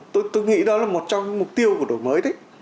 tôi nghĩ đó là một trong những mục tiêu của đổi mới đấy